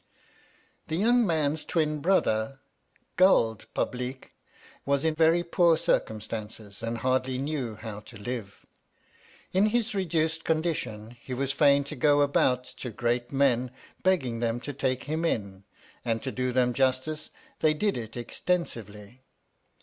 The young man's twin brother, GULD PUBLEEK, was in very poor circumstances and hardly knew how to live. In his reduced condition he was fain to go about to great men, begging them to take him in — and to do them justice, they did it extensively.